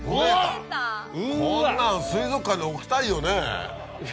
こんなの水族館に置きたいよね。